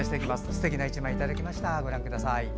すてきな１枚いただきました。